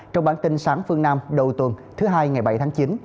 trong bản tin sáng phương nam đầu tuần thứ hai ngày bảy tháng chín